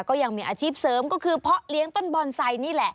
ก็ยังมีอาชีพเสริมก็คือเพาะเลี้ยงต้นบอนไซค์นี่แหละ